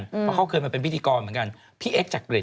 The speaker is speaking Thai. เพราะเขาเคยมาเป็นพิธีกรเหมือนกันพี่เอ็กจักริต